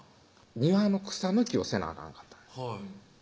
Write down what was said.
庭の草抜きをせなあかんかったんです